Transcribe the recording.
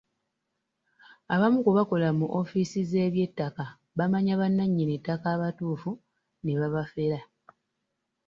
Abamu ku bakola mu ofiisi z'eby'ettaka bamanya bannannyini ttaka abatuufu ne babafera.